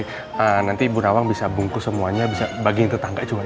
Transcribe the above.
ehh nanti ibu nawang bisa bungkus semuanya bisa bagiin tetangga juga